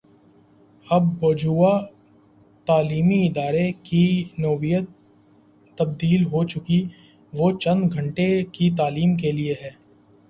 اب بوجوہ تعلیمی ادارے کی نوعیت تبدیل ہو چکی وہ چند گھنٹے کی تعلیم کے لیے ہے۔